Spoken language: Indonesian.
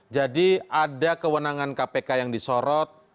jadi ada kewenangan kpk yang disorot